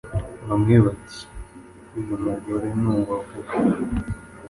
bamwe bati uyu mugore n’uwavuba